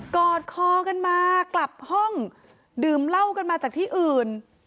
อดคอกันมากลับห้องดื่มเหล้ากันมาจากที่อื่น